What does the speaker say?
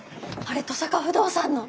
あれ登坂不動産の。